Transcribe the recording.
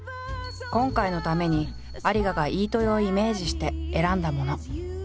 今回のために有賀が飯豊をイメージして選んだもの。